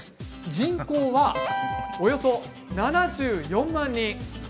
人口はおよそ７４万人。